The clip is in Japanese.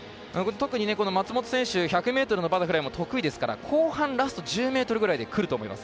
特に松元選手１００ｍのバタフライも得意ですから後半ラスト１０ｍぐらいでくると思います